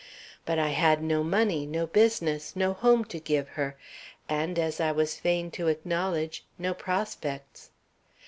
But I had no money, no business, no home to give her, and, as I was fain to acknowledge, no prospects.